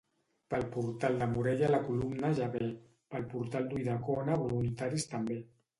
Pel portal de Morella la columna ja ve; pel portal d'Ulldecona voluntaris també.